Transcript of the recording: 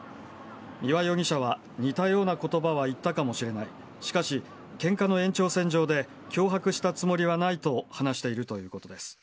三輪容疑者は、似たようなことばは言ったかもしれない、しかし、けんかの延長線上で、脅迫したつもりはないと話しているということです。